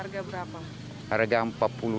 dari harga berapa